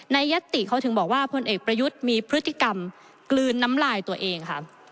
ยัตติเขาถึงบอกว่าพลเอกประยุทธ์มีพฤติกรรมกลืนน้ำลายตัวเองค่ะ